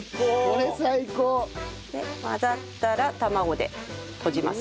これ最高！で混ざったら卵でとじます。